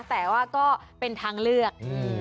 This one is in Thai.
แต่ว่าก็เป็นทางเลือก